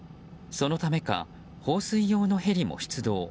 そのためか、放水用のヘリも出動。